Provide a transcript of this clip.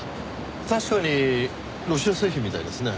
確かにロシア製品みたいですね。